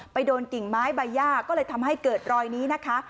ไปโดนกิ่งไม้ใบย่าก็เลยทำให้เกิดรอยนี้นะคะ